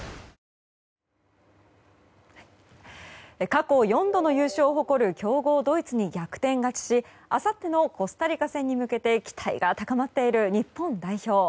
過去４度の優勝を誇る強豪ドイツに逆転しあさってのコスタリカ戦に向けて期待が高まっている日本代表。